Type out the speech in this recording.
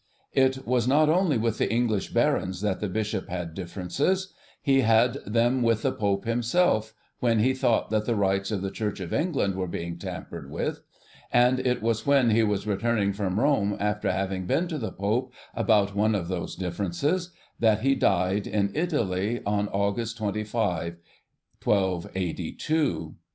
It was not only with the English Barons that the Bishop had differences, he had them with the Pope himself, when he thought that the rights of the Church of England were being tampered with; and it was when he was returning from Rome after having been to the Pope about one of those differences, that he died in Italy, on August 25, 1282. Illustration: Photochrom Co., Ltd. HEREFORD CATHEDRAL: TOMB OF BISHOP CANTILUPE.